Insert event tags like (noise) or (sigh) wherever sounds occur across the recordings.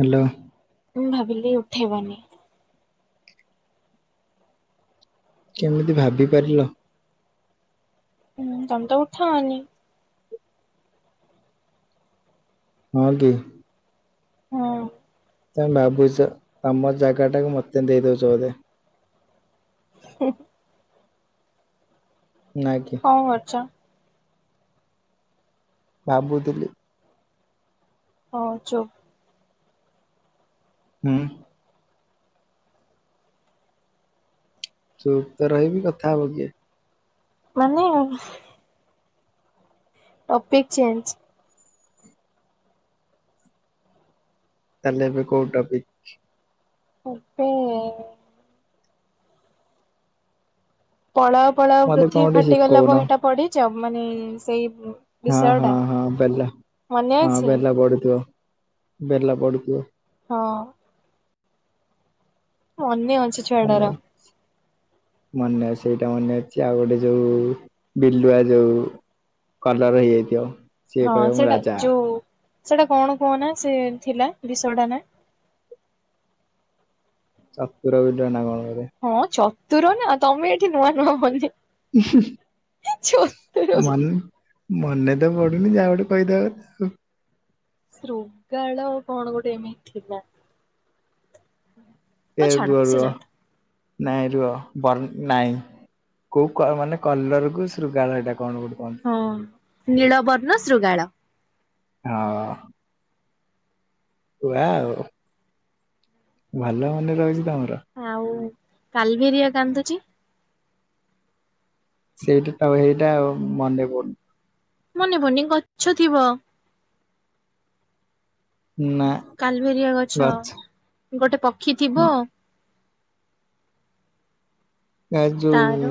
Hello. ମୁଁ ଭାବିଲି ଉଠେଇବନି। କେମିତି ଭାବି ପାରିଲ? ହୁଁ ତମେ ତ ଉଠାଅନି। ହଁ କି। ହଁ। ତମେ ଭାବୁଛ ତମ ଜାଗା ଟାକୁ ମତେ ଦେଇଦଉଛ ବୋଧେ। ହୁଁ। ନା କି କଣ କରୁଛ? ଭାବୁ ଥିଲି। ହଁ ଚୁପ। ହୁଁ। ଚୁପ ତ ରହିବି କଥା ହବ କିଏ? ମାନେ ଟପିକ ଚେଞ୍ଜ। ତାହେଲେ ଏବେ କୋଉ ଟପିକ? ଉପେଇ ପଳାଉ ପଳାଉ ମତେ କଣ ପୃଥିବୀ ଗୋଟେ ଫାଟିଗଲା ଶିଖଉନ ବହି ଟା ପଢ଼ିଚ ମାନେ ସେଇ ହଁ ବିଷୟ ହଁ ଟା ହଁ ବେଲ ମନେ ହଁ ଅଛି ବେଲ ପଡୁଥିବ। ବେଲ ପଡୁଥିବ। ହଁ। ମନେ ଅଛି ମନେ ଛଡ଼ାର। ଅଛି ମନେ ଅଛି ସେଇଟା ମନେ ଅଛି ଆଉ ଗୋଟେ ଯୋଉ ବିଲୁଆ ଯୋଉ କଲର୍ ହେଇଯାଇ ଥିବ ସିଏ କହିବ ମୁଁ ରାଜା। ସେଟା କଣ କୁହନା ସେ ଥିଲା ବିଷଟା ନା। ଚତୁର ବିଲୁଆ ନା କଣ? ଗୋଟେ ହଁ ଚତୁର ନା ତମେ ଏଠି ନୂଆ ନୂଆ ମନେ ଚତୁର ମାନେ। ମନେ ତ ପଡୁନି ଯାହା ଗଟେ କହି ଦେବା କଥା ଆଉ। ଶୃଗାଳ କଣ ଗୋଟେ ଏମିତି ଥିଲା? ହଉ ଛାଡ଼ କେବେ ସେ ର। ଯାଉ। ନାଇଁ ରୁହ ବ ନାଇଁ କୋଉ କ ମାନେ କଲର୍ କୁ ଶୃଗାଳ ଏଇଟା କଣ ଗୋଟେ କହନ୍ତି। ହଁ ନୀଳବର୍ଣ୍ଣ ଶୃଗାଳ। ହଁ। ୱାଉ। ଭଲ ମନେ ରହିଛି ଆଉ କାଲବେରିଆ କାନ୍ଦୁଚି। ସେଇଟା ତ ଏଇଟା ମନେ ପଡୁନି। ମନେ ପଡୁନି ଗଛ ଥିବ। ନା କାଲବେରିଆ ଗଛ ଗୋଟେ ପକ୍ଷୀ ଥିବ କା ଯଉ ତାର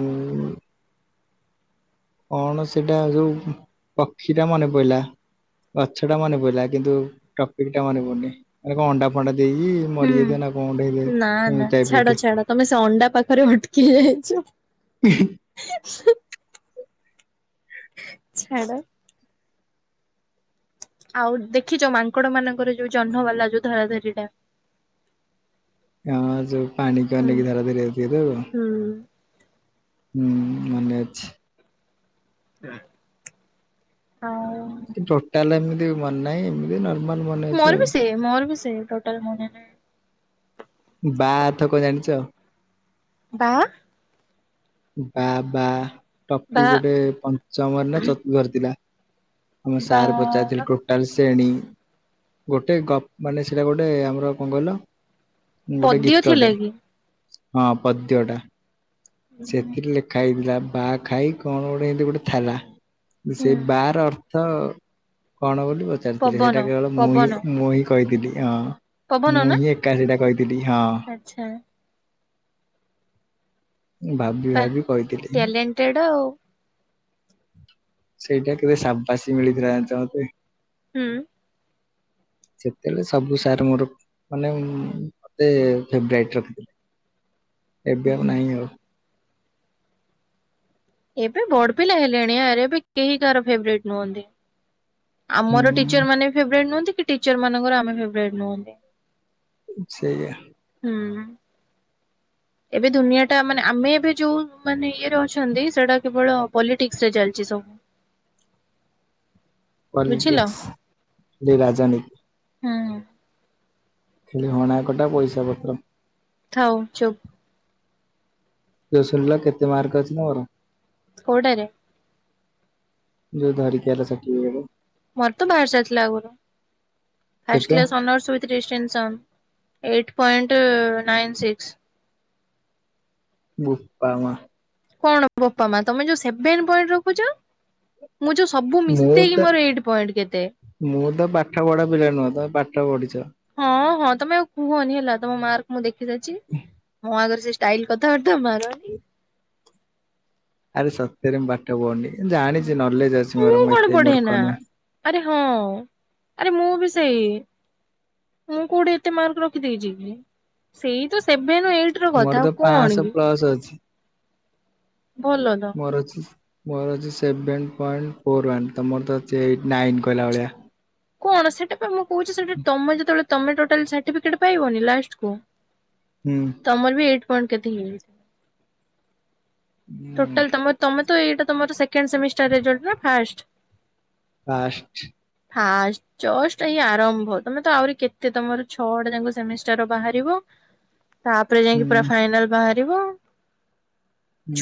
କଣ ସେଇଟା ଯୋଉ ପକ୍ଷୀଟା ମନେ ପଡିଲା। ଗଛ ଟା ମନେ ପଡିଲା କିନ୍ତୁ ଟପିକ୍‌ଟା ମନେ ପଡୁନି ଆରେ କଣ ଅଣ୍ଡା ଫଣ୍ଡା ଦେଇକି ହୁଁ ମରିଯାଇଥିବ ନା କଣ ଗୋଟେ ହେଇଥିବ। ନା ସେମିତି ନା ଟାଇପର ଛାଡ଼ ଟେ ଛାଡ଼ ତମେ ସେ ଅଣ୍ଡା ପାଖରେ ଅଟକି ଯାଇଛ। (unintelligible) ଛାଡ। ଆଉ ଦେଖିଛ ମାଙ୍କଡ଼ ମାନଙ୍କର ଯୋଉ ଜହ୍ନ ବାଲା ଯୋଉ ଧରା ଧରି ଟା। ହଁ ଯଉ ପାଣିିକି ହୁଁ ଅନେଇ କି ଧରା ଧରି ହେଉଥିବେ ତ। ହୁଁ। ହୁଁ ମନେ ଅଛି। ହୁଁ ଟୋଟାଲ୍ ଏମିତି ମନେ ନାହିଁ ଏମିତି ନହ ମୋର ବି ସେ ମୋର ବି ସେ ଟୋଟାଲ୍ ମନେ ନାହିଁ। ବା ଅର୍ଥ କଣ ଜାଣିଛ? ବା ବାଃ ବାଃ ବା ଟପିକ ଗୋଟେ ପଞ୍ଚମରେ ନା ଚତୁର୍ଥରେ ଥିଲା। ଆମ ବା ସାର୍ ପଚାରଥିଲେ ଟୋଟାଲ୍ ଶ୍ରେଣୀ ଗୋଟେ ଗପ ମାନେ ସେଇଟା ଗୋଟେ ଆମର କଣ କହିଲ ଗୋଟେ ପଦ୍ୟ ଥିଲା ଗୀତଟେ। କି? ହଁ ପଦ୍ୟ ଟା ସେଥିରେ ହୁଁ ଲେଖା ହେଇଥିଲା। ବା ଖାଇ କଣ ଗୋଟେ ଏମତି ଗୋଟେ ଥିଲା ସେଇ ବା ର ଅର୍ଥ ର୍ଥ କଣ ବୋଲି ପଚାରିଥିଲେ ପବନ ସେଇଟା କେବଳ ମୁଁ ହିଁ ପବନ ମୁଁ ହିଁ କହିଥିଲି ହଁ। ପବନ ମୁଁ ନା ହିଁ ଏକା ସେଟା କହିଥିଲି ହଁ। ଆଚ୍ଛା ଭାବି ବା ଭାବି କହିଥିଲି। ଟ୍ୟାଲେଣ୍ଟେଡ ଆଉ ସେଇଟା କେବେ ସାବାସୀ ମିଳିଥିଲା ଜାଣିଚ ମତେ। ହୁଁ। ସେତେବେଳେ ସବୁ ସାର୍ ମୋର ମାନେ ମତେ ଫେବରାଇଟ ରଖିଥିଲେ। (inaudible) ଏବେ ହୁଁ। ଆଉ ନାହିଁ ଆଉ। ଏବେ ବଡ ପିଲା ହେଲଣି ଆର୍ ଏବେ କେହି କାହାର ଫେବେରେଟ ନୁହନ୍ତି। ଆମର ଟିଚର ହୁଁ ମାନେ ଫେବରେଟ ନୁହନ୍ତି କି ଟିଚର ମାନଙ୍କର ଆମେ ଫେବରେଟ ନୁହନ୍ତି। ସେଇଆ। ହୁଁ। ଏବେ ଦୁନିଆ ଟା ମାନେ ଆମେ ଏବେ ଯୋଉ ମାନେ ଇଏରେ ଅଛନ୍ତି ସେଟା କେବଳ ପଲିଟିକ୍ସ ରେ ଚାଲିଚି ସବୁ। (inaudible) ବୁଝିଲ ପଲିଟିକ୍ସ ଯେ ରାଜନୀ ହୁଁ। ଖାଲି ହଣା କଟା ପଇସା ପତ୍ର। ଥାଉ ଚୁପ। ଜୋସଲରେ କେତେ ମାର୍କ ଅଛି ତମର? କୋଉଟାରେ? ଯୋ ଧରିକି ଆଇଲ ସାର୍ଟି ପିକଟ ମୋର ତ ବାହାରି ସାରିଥିଲା ଆଗରୁ। ଫାଷ୍ଟ କେତେ class honours with distinction eight point nine six. ବୋପା ମା। କଣ ବୋପା ମା ତମେ ଯୋଉ ସେଭେନ ପଏଣ୍ଟ ରଖୁଚ। ମୁଁ ଯୋଉ ସବୁ ମୁଁ ତ ମିଶେଇକି ମୋର ଏଇଟ ପଏଣ୍ଟ କେତେ। ମୁଁ ତ ପାଠ ପଢା ପିଲା ନୁହଁ ତମେ ପାଠ ପଢିଛ ହଁ ହଁ ତମେ ଆଉ କୁହନି ହେଲା ତମ ମାର୍କ ମୁଁ ଦେଖି ସାରିଚି। ମୋ ଆଗରେ ସେ ଷ୍ଟାଇଲ କଥା ଥା ମାରନି। ଆରେ ସତରେ ମୁଁ ପାଠ ପଢନି। ମୁଁ କଣ ପଢେ ନା ନୁହଁ ଆରେ ହଁ ଆରେ ମୁଁ ବି ସେଇ ମୁଁ କୋଉଠି ଏତେ ମାର୍କ ରଖିଦେଇଛଚି କି ସେଇ ତ ସେ ସେଭେନ ଏଇଟ ର ମୋର କଥା ତ ଆଉ କଣ ପାଂଶହ କିି? ପ୍ଲସ ଅଛି ତ। ମୋର ଅଛି। ମୋର ଅଛି ସେଭେ ପଏଣ୍ଟ ଫୋର୍ ୱାନ ତମରତ ଅଛି ଏଇଟ ନାଇନ୍ କହିଲା ଭଳିଆ। କଣ ସେଟା ତ ମୁଁ କହୁଚି ସେଟା ତମେ ଯେତେବେଳେ ତମେ ଟୋଟାଲ୍ ସାଟିପିକେଟ୍ ପାଇବନି ଲାଷ୍ଟ କୁ ହୁଁ ତମର ବି ଏଇଟ ପଏଣ୍ଟ କେତେ ହେଇଯିବ। ଟୋଟାଲ ତମ ତମେ ଏଇଟା ତମର ସେକେଣ୍ଡ ସେମିଷ୍ଟାର ରେଜଲ୍ଟ ନା ଫାଷ୍ଟ? ଫାଷ୍ଟ। ଫାଷ୍ଟ ଜଷ୍ଟ ଏଇ ଆରମ୍ଭ ତମେ ତ ଆହୁରି କେତେ ତମର ଛଅଟା ଯାଙ୍କ ସେମିଷ୍ଟାର ବାହାରିବ। (inaudible) ତାପରେ ଯାଇକି ପୁରା ହୁଁ ଫାଇନାଲ ବାହାରିବ।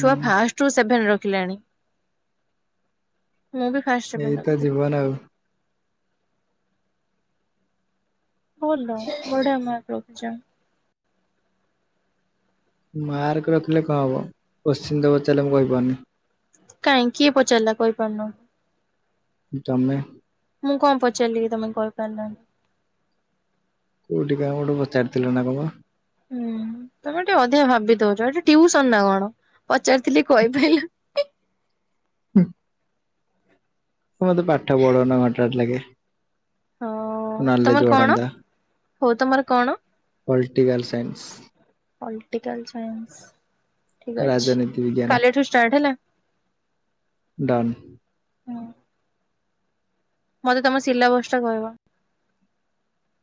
ଛୁଆ ଫାଷ୍ଟ ରୁ ସେଭେନ ର ଖିଲାଣି ମୁଁ ବି ଫାଷ୍ଟ ସେଭେନ ଏଇତ ରଖିଥିଲି। ଜୀବନ ଆଉ ଭଲ ବଢ଼ିଆ ମାର୍କ ରଖିଚ। ମାର୍କ ରଖିଲେ କଣ ହବ କୋଶ୍ଚିନ ତ ପଚାରିଲେ ମୁଁ କହିପାରୁନି। କାଇଁ କିଏ ପଚାରିଲା କହିପାରୁନ। ତମେ ମୁଁ କଣ ପଚାରିଲି କି ତମେ କହିପାରିଲନି। କୋଉଠି କାହାକୁ ଗୋଟେ ପଚାରିଥିଲ ନା କଣ ପା। ହୁଁ। ତମେ ଟିକେ ଅଧିକ ଭାବି ଦୋଉଚ ଏଠି ଟିଉସନ ନା କଣ ପଚାରିଥିଲି କହିପାରିଲନି। ହୁଁ। ତମେ ମୋତେ ପାଠ ପଢଉନ ଘଣ୍ଟେ ଘଣ୍ଟେ ଲାଗେ। ହଁ ନଲେଜ ତମର କଣ? ବଢନ୍ତା। ହଉ ତମର କଣ ପଲିଟିକାଲ ସାଇନ୍ସ। ପଲିଟିକାଲ ସାଇନ୍ସ ଠିକ ଅଛି, ରାଜନୀତି ବିଜ୍ଞାନ କାଲିଠୁ ଷ୍ଟାର୍ଟ ହେଲା। ଡନ୍। ହଁ। ମତେ ତମ ଶିଲା ବସ୍ ଟା କହିବ।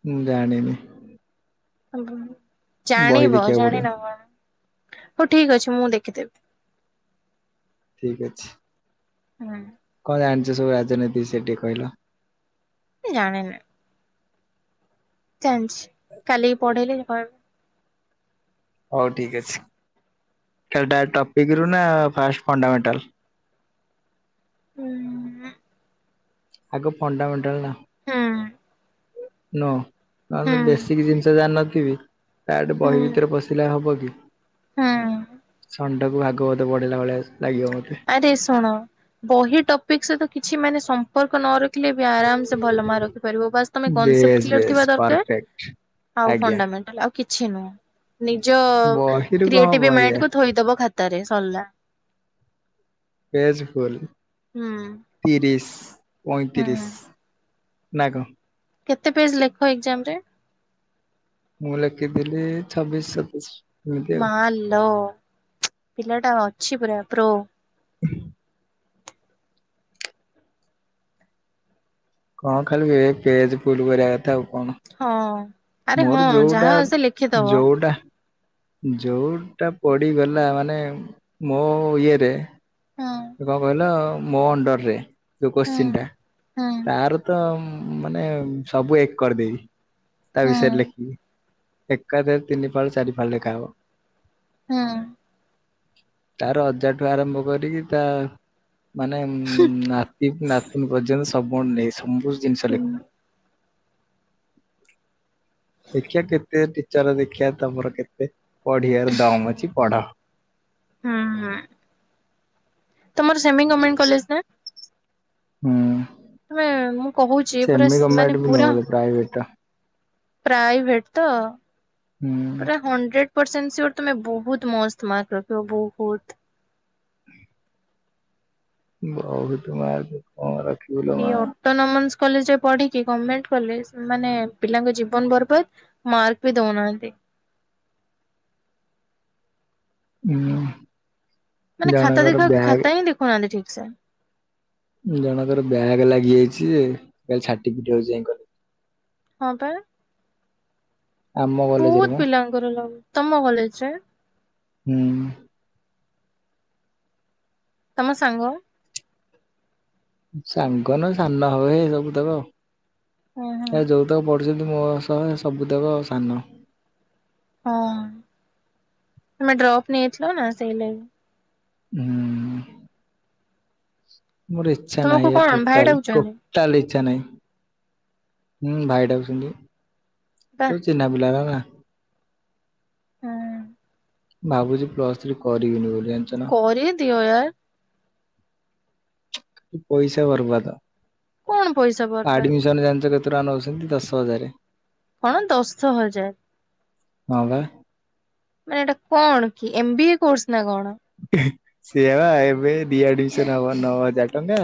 ମୁଁ ଜାଣିନି। ବହି ଜାଣିବ, ଦେଖିବାକୁ ପଡିବ ଜାଣିନା କଣ। ହଉ ଠିକ୍ ଅଛି ମୁଁ ଦେଖି ଦେବି। ଠିକ୍ ଅଛି। ହୁଁ। କଣ ଜାଣିଚ ସବୁ ରାଜନୀତି ସେଠି କହିଲ। ଜାଣେନା। ଜାଣିଚି, କାଲି କି ପଢେଇଲେ କହିବ। ହୋଉ ଠିକ୍ ଅଛି। ଖାଲି ଟା ଟପିକ୍ ରୁ ନା ଫାଷ୍ଟ ଫଣ୍ଡାମେଣ୍ଟାଲ୍। ହୁଁ। ଆଗ ଫଣ୍ଡାମେଣ୍ଟାଲ୍ ନା ହଁ। ନୋ ବେଶୀିକ୍ ଜିନିଷ ଜାଣି ନ ଥିବ। ଡାଇରେକ୍ଟ ବହି ହୁଁ ଭିତରେ ପଶିଲେ ହବ କି? ହୁଁ। ଖନ୍ଦ କୁ ଭାଗବଧ ପଢ଼ିଲା ଭଳିଆ ଶୁଭ ଆରେ ଶୁଣ, ବହି ଟପିକ୍ ସହିତ କିଛି ମାନେ ସମ୍ପର୍କ ନ ରଖ ଆରାମ୍ ସେ ଭଲ ମାର୍କ ରଖି ପାରିବ, ବାସ୍ ତମେ କନସେପ୍ଟ ବେଶ କ୍ଲିୟର ବେଶ ଥିବା ଦରକାର। ପରଫେକ୍ଟ ହଉ ଆଜ୍ଞା ଫଣ୍ଡାମେଣ୍ଟଲ ଆଉ କିଛି ନୁହଁ, ନିଜ ବହିରୁ କଣ ହବ କ୍ରିଏଟିଭି ଆଜ୍ଞା ମାଇଣ୍ଡ କୁ ଥୋଇଦବ ଖାତାରେ। ସରିଲା। ପେଜ୍ ଫୁଲ୍, ହୁଁ ତିରିଶ ହୁଁ ପଇତିରିଶ ନା କେତେ ପେଜ୍ ଲେଖ ଏକ୍ସାମ ରେ? ମୁଁ ଲେଖିଥିଲି ଛବିଶ ସତେଇସି। ମା ଲୋ ପିଲାଟା ଅଛିି ପୁର ପ୍ରୋ (unintelligible) କଣ ଖାଲି ଏ ପେଜ୍ ଫୁଲ କରିବା କ ହଁ, ଆରେ ହଁ ଯୋଉଟା ଯାହା ଆସେ ଲେଖିଦବ। ଯୋଉଟା ଯୋଉଟା ପଡିଗଲା ମାନେ ମୋ ଇଏରେ ହଁ ସେ କଣ କହିଲ ମୋ ଅଣ୍ଡରରେ ଯୋଉ ହଁ। କୋଶ୍ଚିନ୍ ଟା ହୁଁ ତାର ତମ୍ ମାନେ ସବୁ ଏକ କରିଦେଇଚି ତା ହୁଁ ବିଷୟରେ ଲେଖିକି। ଏକାଥରେ ତିନି ଫାଳ, ଚାରି ଫାଳ ଲେଖା ହବ। ହୁଁ। ତା ର ଅଜା ଠୁ ଆରମ୍ଭ କରିକି ତା ମାନେ ଉଁ ନାତି ନାତୁନ ପର୍ଯ୍ୟନ୍ତ ସମଣ୍ଡେ ସବୁ ଜିନିଷ ହୁଁ ଲେଖ। ଦେଖିବା କେତେ ଟି ଚର ଦେଖିବା ତମର କେତେ ପଢିଆର ଦମ୍ ଅଛି ପଢ ହୁଁ, ହୁ ଆମର ସେମି ଗମେଣ୍ଟ କଲେଜ ନା? ହୁଁ, ତମେ ମୁଁ କହୁଛି ପୁରା ସେମି ଗର୍ମେଣ୍ଟ ବି ନ ପ୍ରାଇଭେଟ ଟା। ପ୍ରାଇ ଭେଟ ତ ପୁରା ହଣ୍ଡ୍ରେଡ। ବଟ ସେନ୍ ସିଅର ତୁମେ ବହୁତ ମସ୍ତ ମାର୍କ ରଖିବ ବହୁତ। (unintelligible) ଏଇ ମା। Autonomous. କଲେଜରେ ପଢିକି ଗମେଣ୍ଟ କଲେଜ୍ ମାନେ ପିଲାଙ୍କ ଜୀବନ ବରବାଦ ମାର୍କ ବି ଦେଉନାହାନ୍ତି। (unintelligible) ହୁଁ ମାନେ ଖାତା ଜଣଙ୍କର ଦେଖ ବ୍ୟାଗ ଖାତା ହିଁ ଦେଖୁନାହାନ୍ତି ଠିକ ସେ ଜଣଙ୍କର ବ୍ୟାଗ ଲାଗିଯାଇଛିାଯେ କାଲି ଛାଟି ପିଟି ହଉଛିଇ କଲେ ହଁ ପା ଆମ କଲେଜରେ ବହୁତ ମ ପିଲାଙ୍କର ଲ ତମ କଲେଜରେ ହୁଁ ତମ ସାଙ୍ଗ ସାଙ୍ଗନ ସାନ ହବ ହେ ସବୁ ତକ ହୁଁ ହୁଁ ଆଉ ଏ ଯୋଉ ତକ ପ ଡୁଛନ୍ତି ମୋ ସହ ସବୁ ତାକ ସାନ ହଁ ତମେ ଡ୍ରପ ନେଇଥିଲ ନା ସେଇ ଲାଗି ହୁଁ ମୋର ଇଚ୍ଛା ତମକୁ ନାହିଁ ଏ କଣ ଭାଇ ଟୋଟାଲ ଡାକୁଛନ୍ତି ଟୋଟାଲ ଇ ଇଛା ନାହିଁ ହୁଁ ବା ଭାଇଡକୁଛନ୍ତି ଚିହ୍ନା ପିଲାଲା ରା ନା ହୁଁ ଭାବୁଚି ପ୍ଲସ ଥ୍ରୀ କରିବିନି ବୋଲି ଜାଣିଚନା। ତିଓ ୟାର ପଇସା ବରବାଦ କଣ ପଇସା ବର୍ବାଦ ଆଡମିସନ ଯାନୀଚ କେ ପୁରା ନଉଛନ୍ତି ଦଶ ହଜାର କଣ ଦସ୍ସ୍ତ ହୋଇଯାଏ ହ ବା ମାନେ ଏଇଟା କଣ କି ଏମ ବି ଏ କୋର୍ସ ନା କଣ? ସେୟା ବା ଏବେ ଦି ଆଡମିସନ ହବ ନଅ ହଜାର ଟଙ୍କା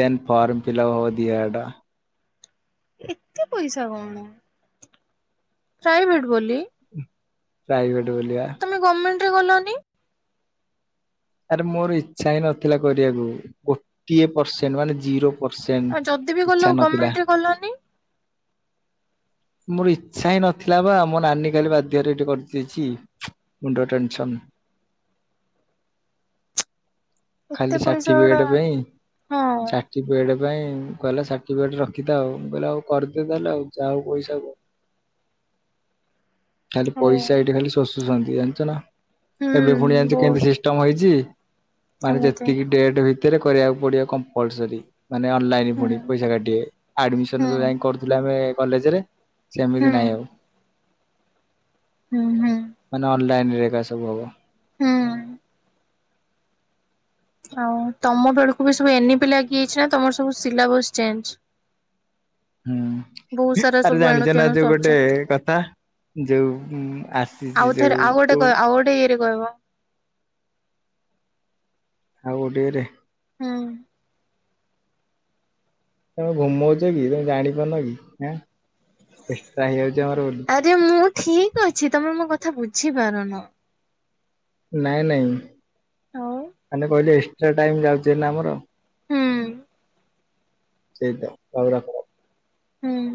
ଦେନ୍ ଫରମ୍ ଫିଲବ ହଉ ଦି ଆଡ଼ା ଏତେ ପଇସା କଣ? ପ୍ରାଇଭେଟ ବୋଲି ପ୍ରାଇଗଟ ବଲିଆ ତମେ ଗମେଣ୍ଟରେ ଗଲନି ଆରେ ମୋର ଇଚ୍ଛା ହିଁ ନଥିଲା କରିବାକୁ ଗୋଟିଏ ପରସେଣ୍ଟ ମାନେ ଜିରୋ ପରସେଣ୍ଟ ଆଉ ଯଦି ବି ଇଚ୍ଛା ଗଲ ନଥିଲା ଗଭର୍ଣମେଣ୍ଟରେ ଗଲନି (inaudible) ମୋର ଇଚ୍ଛା ହିଁ ନଥିଲା ବା ମୋ ନାନୀ କାଲି ବାଧ୍ୟରେ ଏଇଠି କରିଦେଇଛି ମୁଣ୍ଡ ଟେନସନ୍ (inaudible) ଏତେ ଖାଲି ପଇସା ଷାଠି ଗୁଡା ପିକେଟେ ପାଇଁ ହଁ ଷାଠି ପିଟେ ସେଥିପାଇ କହିଲା ସାର୍ଟିଫିକେଟ ରଖିଥା ଆଉଁ କହିଲେ ଆଉ କରିଦେ ତାହଲେ ଆ ଯହାଉ ପଇସା କ (inaudible) ଖାଲି ହଉ ପଇସା ଏଇଠି ଖାଲି ଶୋଶୁ ଶଛନ୍ତି ଜାଣିଛ ନା ଏବେ ପୁଣି ହୁଁ ଜାଣିଛ ବହୁତ କେମିତି ଙ୍କ ହେଇଛି ମାନେ କେମିତି ଯେତିକି ଡେଟ ଭିତରେ କରିବାକୁ ପଡିବ କମ୍ପଲସରି। ମାନେ ଅନଲାଇନ ହୁଁ ଫୁଣି ପଇସା କାଟିବେ ଆଡମିସନ ହୁଁ ଯଉ ଯାଇ କରୁଥିଲୁ ଆମେ କଲେଜରେ ହୁଁ ସେମିତି ନାଇଁ ଆଉ। ହୁଁ ହୁଁ ମାନେ ଅନଲାଇନରେ ଏକା ସବୁ ହବ। ହୁଁ। ଆଉ ତମ ବେଳକୁ ବି ସବୁ ଏନି ବିି ଲାଗି ଯାଇଛି ନା ତମର ସବୁ ସିଲାବସ ଚେଞ୍ଜ। ବହୁତ ହୁଁ ସାରା ଆରେ ସବୁ ଏଣୁ ଜାଣିଛ ନା ତେଣୁ ଯୋଉ ଗୋଟେ ସବଜେକ୍ଟ କଥା। ଯଉ ଆସିଚି ଯଉ ଟୁ କିଏ କହିବ। ଆଉ ଗୋଟେ ଏରେ। ହୁଁ ଉଁ। ତମେ ଘୁମଉଚ କି ତମେ ଜାଣି ପାରୁନ କି? ଆଁ। ଏକ୍ସଟ୍ରା ହେଇଯାଉଛି ଆମର ବୋଲି। ଆରେ ମୁଁ ଠିକ ଅଛି ତମେ ମୋ କଥା ବୁଝିପାରୁନ? ନାଇଁ ନାଇଁ ଆଉ ମାନେ କହିଲେ, ଏକ୍ସଟ୍ରା ଟାଇମ ଯାଉଛି ଭାରି ନା ଆମର। ହୁଁ ସେଇଟା (inaudible) ହଉ ର ହୁଁ